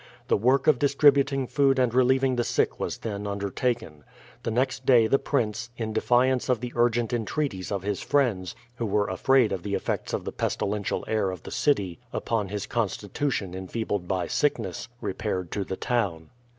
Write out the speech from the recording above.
The work of distributing food and relieving the sick was then undertaken. The next day the prince, in defiance of the urgent entreaties of his friends, who were afraid of the effects of the pestilential air of the city upon his constitution enfeebled by sickness, repaired to the town.